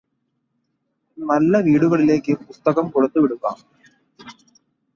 നല്ല വീടുകളിലേക്ക് പുസ്തകം കൊടുത്തുവിടുക